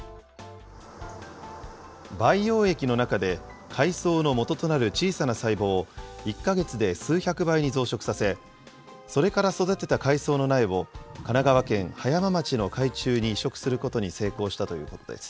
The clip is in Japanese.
培養液の中で、海藻のもととなる小さな細胞を、１か月で数百倍に増殖させ、それから育てた海藻の苗を、神奈川県葉山町の海中に移植することに成功したということです。